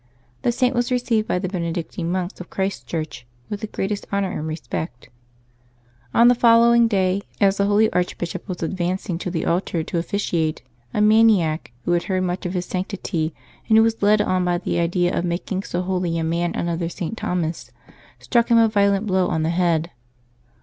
The Saint was received by the Benedictine monks of Christ Church with the greatest honor and respect. On the following day, as the holy archbishop was advancing to the altar to officiate, a maniac, who had heard much of his sanctity, and who was led on by the idea of making so holy a man another St. Thomas, struck him a violent blow on the head.